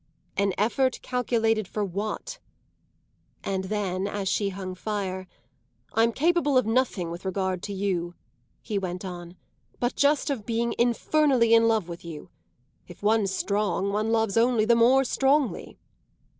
"An effort calculated for what?" And then as she hung fire, "I'm capable of nothing with regard to you," he went on, "but just of being infernally in love with you. If one's strong one loves only the more strongly."